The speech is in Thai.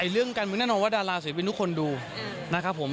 เรื่องกันมึงแน่นอนว่าดาราสุดเป็นทุกคนดูนะครับผม